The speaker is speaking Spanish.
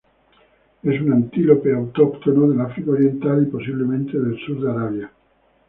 Es un antílope autóctono del África oriental y, posiblemente, del sur de Arabia.